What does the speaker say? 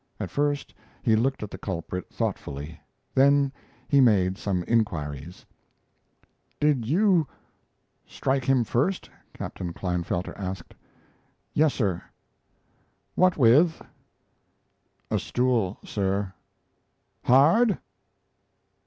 At first he looked at the culprit thoughtfully, then he made some inquiries: "Did you strike him first?" Captain Klinefelter asked. "Yes, sir." "What with?" "A stool, sir." "Hard?"